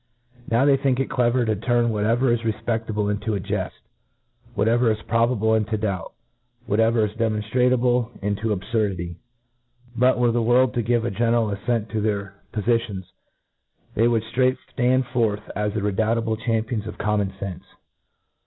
Now they think it clever to turn whatever is refpeftable int6 a jeft ;^ whatever is probable, into doubt ; whatever is demonftrable, into ab furdity : But, were the world to give a general affent to their pofitions, they would ftraight Hand forth as the redoubtable champions of common fenfe.